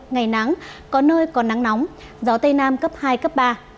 ngày nắng có nơi có nắng nóng gió tây nam cấp hai cấp ba